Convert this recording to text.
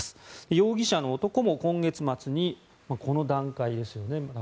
容疑者の男も今月末にこの段階ですよね、まだ。